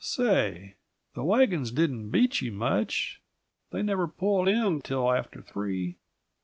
Say, the wagons didn't beat you much; they never pulled in till after three.